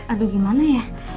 aduh gimana ya